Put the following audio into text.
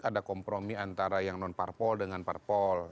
ada kompromi antara yang non parpol dengan parpol